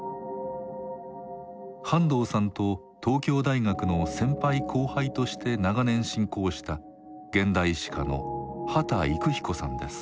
半藤さんと東京大学の先輩後輩として長年親交した現代史家の秦郁彦さんです。